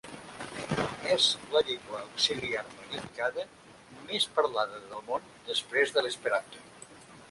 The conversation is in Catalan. És la llengua auxiliar planificada més parlada del món després de l'esperanto.